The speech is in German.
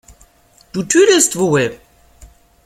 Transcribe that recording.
Du tüdelst wohl!